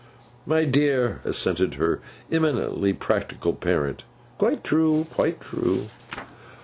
'My dear,' assented her eminently practical parent, 'quite true, quite true.